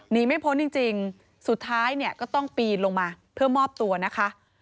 หนีไม่พ้นจริงสุดท้ายเนี่ยก็ต้องปีนลงมาเพื่อมอบตัวนะคะ